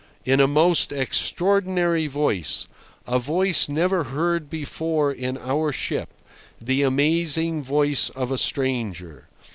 in a most extraordinary voice—a voice never heard before in our ship; the amazing voice of a stranger.